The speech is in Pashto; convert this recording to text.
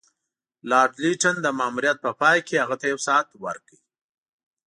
لارډ لیټن د ماموریت په پای کې هغه ته یو ساعت ورکړ.